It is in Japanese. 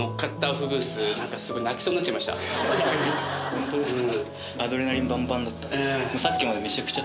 ホントですか？